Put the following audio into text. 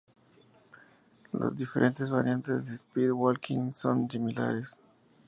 Las diferentes variantes de Speed walking son muy similares.